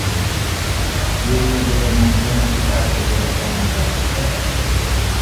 ݭيې ریوزه وه ناندونه کی آ خبُره شام داک